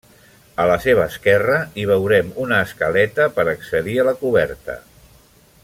A la seva esquerra hi veurem una escaleta per accedir a la coberta.